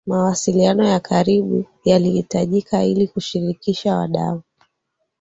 Mawasiliano ya karibu yalihitajika ili kushirikisha wadau